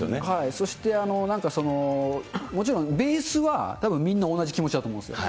そして、もちろんベースはたぶんみんな同じ気持ちだと思うんですよ。